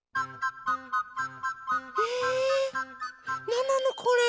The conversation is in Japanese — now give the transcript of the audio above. なんなのこれ？